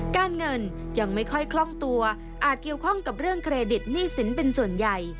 การเงินยังไม่ค่อยคล่องตัวอาจเกี่ยวข้องกับเรื่องเครดิตหนี้สินเป็นส่วนใหญ่